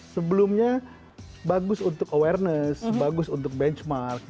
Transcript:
sebelumnya bagus untuk awareness bagus untuk benchmark